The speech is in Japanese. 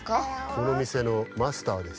このみせのマスターです。